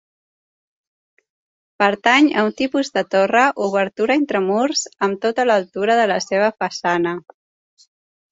Pertany a un tipus de torre, obertura intramurs amb tota l'altura de la seva façana.